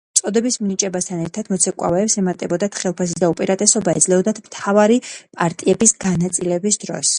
წოდების მინიჭებასთან ერთად მოცეკვავეებს ემატებოდათ ხელფასი და უპირატესობა ეძლეოდათ მთავარი პარტიების განაწილების დროს.